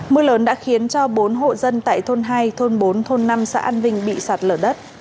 mưa lớn đã khiến cho bốn hộ dân tại thôn hai thôn bốn thôn năm xã an vinh bị sạt lở đất